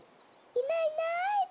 いないいない。